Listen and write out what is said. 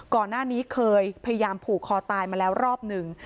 ก่อนหน้านี้เคยพยายามผูกคอตายมาแล้วรอบหนึ่ง